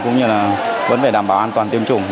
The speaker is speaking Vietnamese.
cũng như là vẫn phải đảm bảo an toàn tiêm chủng